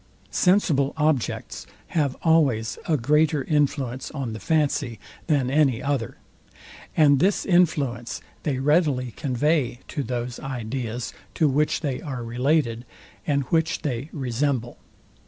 Sensible objects have always a greater influence on the fancy than any other; and this influence they readily convey to those ideas, to which they are related, and which they Resemble.